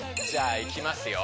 じゃあいきます